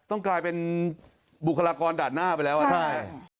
ต้องกลายเป็นบุคลากรด่านหน้าไปแล้วนะครับ